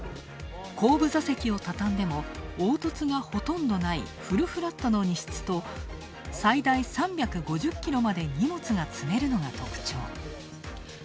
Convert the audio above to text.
後部座席を畳んでも凹凸がほとんどないフルフラットの荷室と最大３５０ｋｇまで荷物が積めるのが特徴。